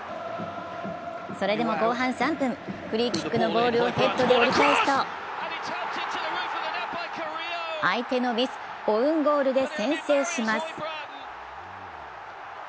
それでも後半３分、フリーキックのボールをヘッドで折り返すと相手のミス、オウンゴールで先制します。